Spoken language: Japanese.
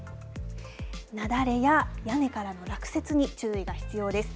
雪崩や屋根からの落雪に注意が必要です。